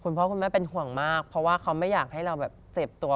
พ่อคุณแม่เป็นห่วงมากเพราะว่าเขาไม่อยากให้เราแบบเจ็บตัว